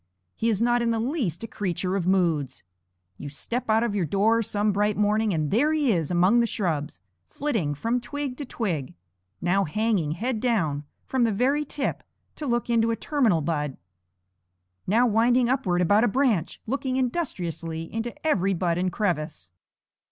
He is not in the least a creature of moods. You step out of your door some bright morning, and there he is among the shrubs, flitting from twig to twig; now hanging head down from the very tip to look into a terminal bud; now winding upward about a branch, looking industriously into every bud and crevice.